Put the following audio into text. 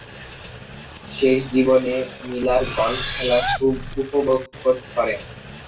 শেষ জীবনে Miller golf খেলা খুব উপভোগ করেন।